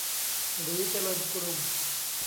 หรือเจริญกรุง